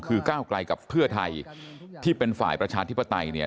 คือก้าวไกลกับเพื่อไทยที่เป็นฝ่ายประชาธิปไตยเนี่ย